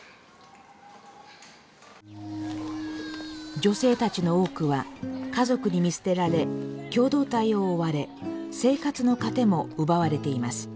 女性たちの多くは家族に見捨てられ共同体を追われ生活の糧も奪われています。